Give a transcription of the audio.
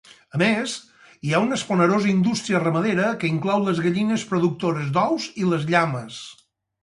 A més, hi ha una esponerosa indústria ramadera que inclou les gallines productores d'ous i les llames.